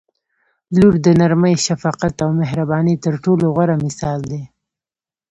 • لور د نرمۍ، شفقت او مهربانۍ تر ټولو غوره مثال دی.